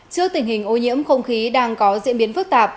trước tình hình ô nhiễm không khí đang có diễn biến phức tạp